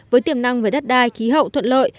với tiềm năng về đất đai khí hậu thuận lợi